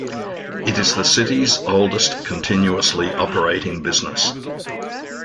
It is the city's oldest continuously operating business.